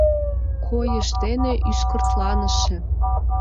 Койышыж дене ӱскыртланыше.